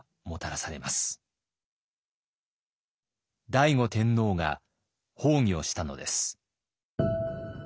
醍醐天皇が崩御したのです。